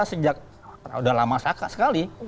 sejak sudah lama sekali